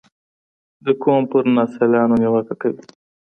د قوم پر ناسیالانو نیوکه کوي